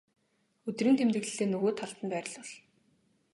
өдрийн тэмдэглэлээ нөгөө талд нь байрлуул.